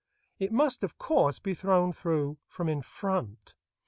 It must, of course, be thrown through from in front.